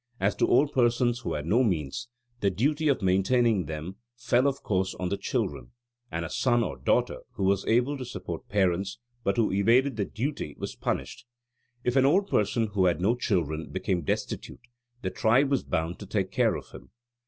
As to old persons who had no means, the duty of maintaining them fell of course on the children; and a son or daughter who was able to support parents but who evaded the duty was punished. If an old person who had no children became destitute the tribe was bound to take care of him.